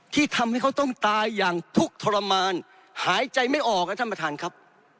ที่ทำให้เขาต้องตายอย่างทุกข์ทรมานหายใจไม่ออกนะท่านประธานครับ